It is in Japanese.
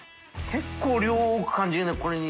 結構量多く感じるねこれに。